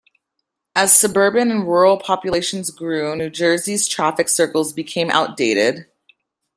As suburban and rural populations grew New Jersey's traffic circles became outdated.